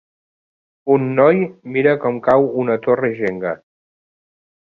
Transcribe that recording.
Un noi mira com cau una torre jenga.